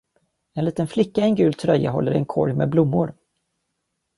En liten flicka i en gul tröja håller en korg med blommor.